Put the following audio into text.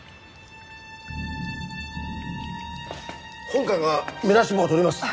本官が目出し帽を取ります。